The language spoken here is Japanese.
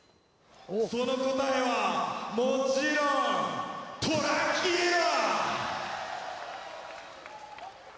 その答えはもちろんトランキーロ！